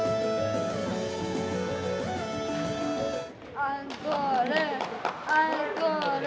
アンコール。